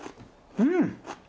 うん！